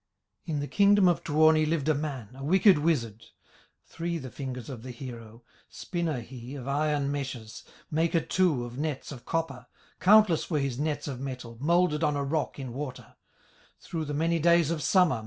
In the kingdom of Tuoni Lived a man, a wicked wizard, Three the fingers of the hero, Spinner he of iron meshes, Maker too of nets of copper, Countless were his nets of metal, Moulded on a rock in water, Through the many days of summer.